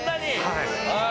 はい。